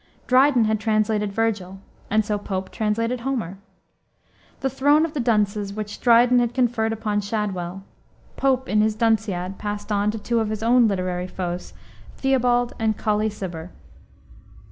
Dryden had translated Vergil, and so Pope translated Homer. The throne of the dunces, which Dryden had conferred upon Shadwell, Pope, in his Dunciad, passed on to two of his own literary foes, Theobald and Colley Cibber.